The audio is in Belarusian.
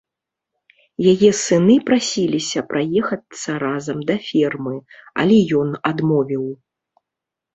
Яе сыны прасіліся праехацца разам да фермы, але ён адмовіў.